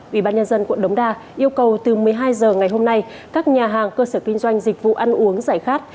ủy ban nhân dân quận đống đa yêu cầu từ một mươi hai h ngày hôm nay các nhà hàng cơ sở kinh doanh dịch vụ ăn uống giải khát